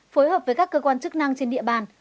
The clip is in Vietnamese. phối hợp với các cơ quan chức năng trên địa bàn